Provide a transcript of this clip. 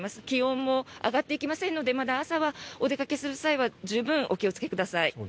気温も上がっていきませんのでまだ朝はお出かけする際は十分お気をつけください。